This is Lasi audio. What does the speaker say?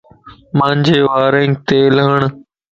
مانجي وارينکَ تيل ھڻ